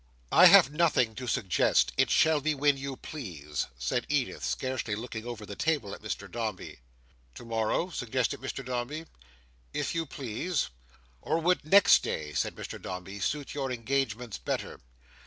"I have nothing to suggest. It shall be when you please," said Edith, scarcely looking over the table at Mr Dombey. "To morrow?" suggested Mr Dombey. "If you please." "Or would next day," said Mr Dombey, "suit your engagements better?"